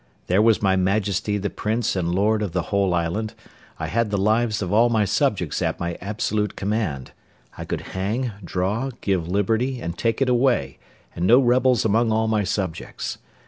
There was my majesty the prince and lord of the whole island; I had the lives of all my subjects at my absolute command; I could hang, draw, give liberty, and take it away, and no rebels among all my subjects.